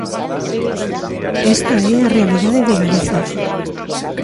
Esta é a realidade de Galiza.